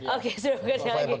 oke supaya bekerja lagi